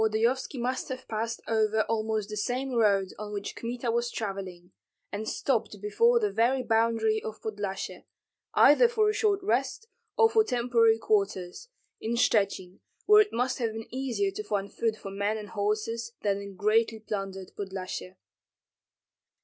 Volodyovski must have passed over almost the same road on which Kmita was travelling, and stopped before the very boundary of Podlyasye, either for a short rest or for temporary quarters, in Shchuchyn, where it must have been easier to find food for men and horses than in greatly plundered Podlyasye.